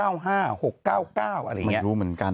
ไม่รู้เหมือนกัน